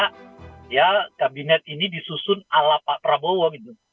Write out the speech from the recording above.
karena kabinet ini disusun ala pak prabowo